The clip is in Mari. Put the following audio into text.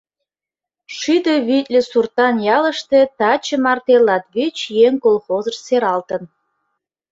Шӱдӧ витле суртан ялыште таче марте латвич еҥ колхозыш сералтын.